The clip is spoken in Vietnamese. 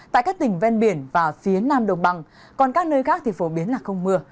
tại các tỉnh ven biển và phía nam đồng bằng còn các nơi khác thì phổ biến là không mưa